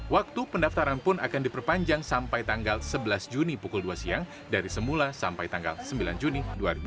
waktu pendaftaran pun akan diperpanjang sampai tanggal sebelas juni pukul dua siang dari semula sampai tanggal sembilan juni dua ribu dua puluh